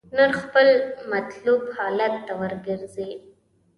نرخ خپل مطلوب حالت ته ورګرځي.